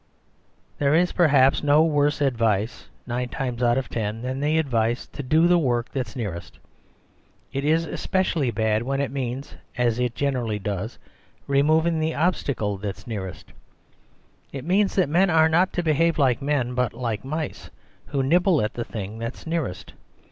There is perhaps no worse advice, nine times out of ten, than the advice to do the work that's nearest It is especially bad when The Superstition of Dix)orce 18 it means, as it generally does, removing the obstacle that's nearest. It means that men are not to behave like men but like mice; who nibble at the thing that's nearest.